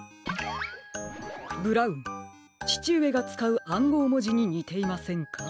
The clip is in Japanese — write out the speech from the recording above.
ブラウンちちうえがつかうあんごうもじににていませんか？